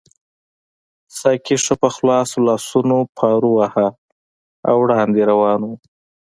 ساقي ښه په خلاصو لاسونو پارو واهه او وړاندې روان وو.